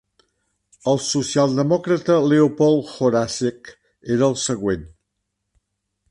El social demòcrata Leopold Horacek era el següent.